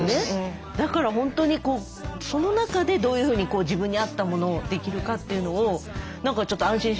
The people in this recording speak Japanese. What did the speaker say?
だから本当にその中でどういうふうに自分に合ったものをできるかというのを何かちょっと安心しました。